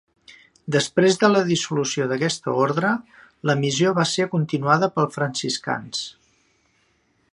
Després de la dissolució d'aquesta ordre, la missió va ser continuada pels franciscans.